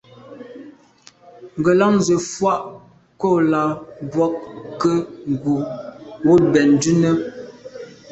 Ngelan ze mfùag ko là mbwôg nke ngù wut ben ndume.